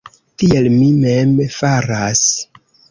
Tiel mi mem faras.